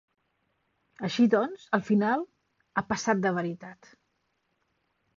Així doncs, al final, ha passat de veritat!